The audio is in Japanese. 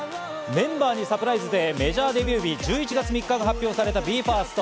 メンバーにサプライズでメジャーデビュー日、１１月３日が発表されたＢＥ：ＦＩＲＳＴ。